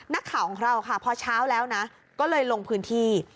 นักข่าวของเราค่ะพอเช้าแล้วนะก็เลยลงพื้นที่